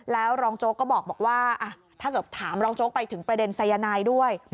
แล้วรองโจ๊กก็บอกว่าถ้าเกิดถามรองโจ๊กไปถึงประเด็นสายนายด้วย